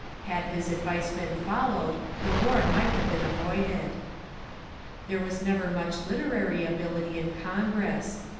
Had his advice been followed the war might have been avoided. There was never much literary ability in Congress.